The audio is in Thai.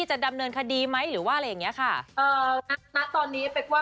จะดำเนินคดีไหมหรือว่าอะไรอย่างเงี้ยค่ะเอ่อณตอนนี้เป๊กว่า